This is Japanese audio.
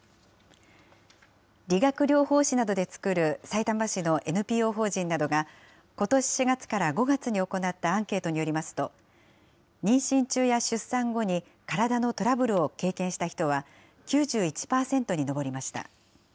理学療法士などで作るさいたま市のＮＰＯ法人などが、ことし４月から５月に行ったアンケートによりますと、妊娠中や出産後に体のトラブルを経験した人は、９１％に上りました。